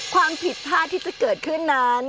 ความผิดพลาดที่จะเกิดขึ้นนั้น